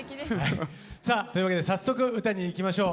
さあというわけで早速歌にいきましょう。